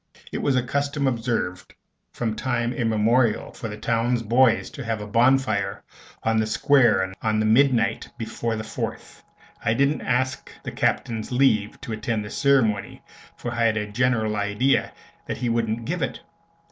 It was a custom observed from time immemorial for the towns boys to have a bonfire on the Square on the midnight before the Fourth. I didn't ask the Captain's leave to attend this ceremony, for I had a general idea that he wouldn't give it.